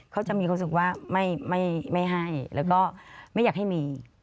เขาจะมีความรู้สึกว่าไม่ให้แล้วก็ไม่อยากให้มี